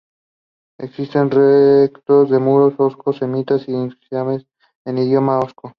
Existen restos de muros osco-samnitas e inscripciones en idioma osco.